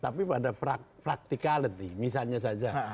tapi pada practicality misalnya saja